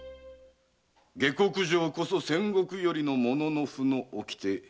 下克上こそ戦国よりの武士の掟。